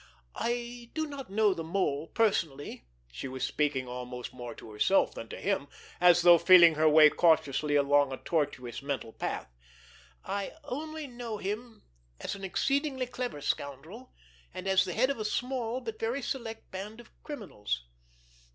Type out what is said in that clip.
"I do not know the Mole personally"—she was speaking almost more to herself than to him, as though feeling her way cautiously along a tortuous mental path—"I only know him as an exceedingly clever scoundrel, and as the head of a small, but very select, band of criminals.